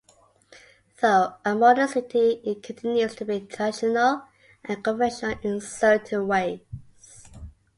Though a modern city, it continues to be traditional and conventional in certain ways.